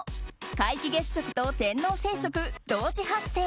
皆既月食と天王星食、同時発生。